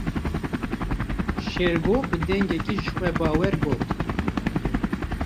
Şêrgo bi dengekî jixwebawer got.